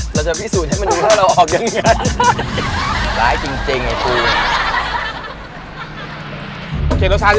เราจะพิสูจน์ให้มันดูว่าเราออกยังไง